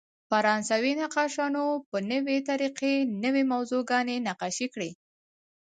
فرانسوي نقاشانو په نوې طریقه نوې موضوعګانې نقاشي کړې.